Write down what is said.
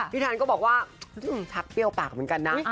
แทนก็บอกว่าชักเปรี้ยวปากเหมือนกันนะ